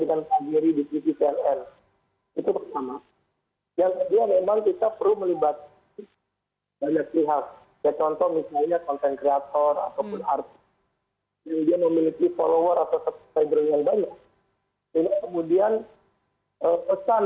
untuk dapat menonton tv digital